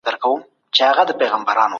دښمنان مو ډېر دي.